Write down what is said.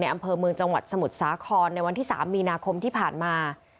อำเภอเมืองจังหวัดสมุทรสาครในวันที่๓มีนาคมที่ผ่านมา